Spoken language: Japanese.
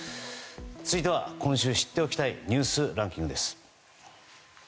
続いては、今週知っておきたいニュースランキングです。